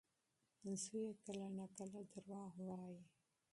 زوی یې کله ناکله دروغ وايي.